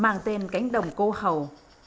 mang tên cánh đồng cô hầu